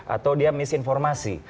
atau dia misinformasi